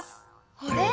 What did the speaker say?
あれ？